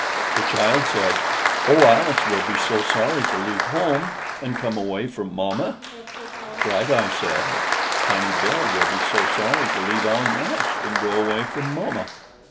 The child said, "Oh, Alice will be so sorry to leave home, and come away from mamma!" Bright. Eye said, "Tiny Bill will be so sorry to leave our nest, and go away from mamma!"